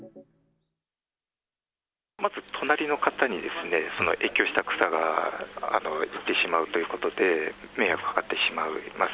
まず隣の方にですね、影響した草がいってしまうということで、迷惑がかかってしまいます。